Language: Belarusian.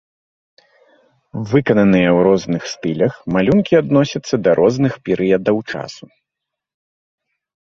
Выкананыя ў розных стылях, малюнкі адносяцца да розных перыядаў часу.